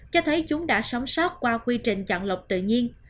cho thấy chúng đã sống sót qua quy trình chọn lọc tự nhiên